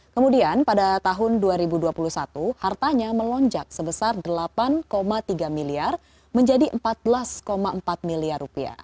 kemudian pada tahun dua ribu dua puluh satu hartanya melonjak sebesar rp delapan tiga miliar menjadi rp empat belas empat miliar